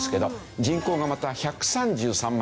人口がまた１３３万人。